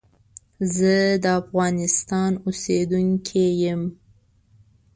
زه دافغانستان اوسیدونکی یم.